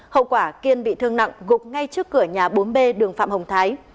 hậu quả kiên bị thương nặng gục ngay trước cửa nhà bốn b đường phạm hồng thái